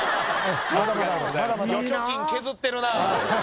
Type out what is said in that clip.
預貯金削ってるなぁ。